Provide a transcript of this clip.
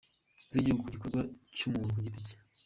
z’igihugu ku gikorwa cy’umuntu ku giti cye.